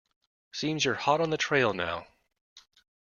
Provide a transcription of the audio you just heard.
Seems you're hot on the trail now.